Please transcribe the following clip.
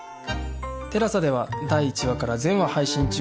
ＴＥＬＡＳＡ では第１話から全話配信中